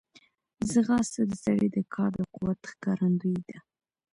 ځغاسته د سړي د کار د قوت ښکارندوی ده